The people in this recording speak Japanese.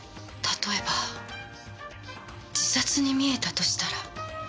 例えば自殺に見えたとしたら。